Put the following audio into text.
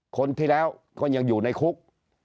คนที่แล้วก็ยังอยู่ในคุก